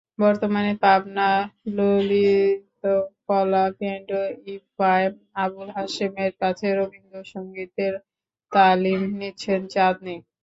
বর্তমানে পাবনা ললিতকলা কেন্দ্র ইফায় আবুল হাশেমের কাছে রবীন্দ্রসংগীতের তালিম নিচ্ছেন চাঁদনী।